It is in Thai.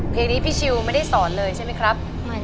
เพลงนี้พี่ชิวไม่ได้สอนเลยใช่ไหมครับ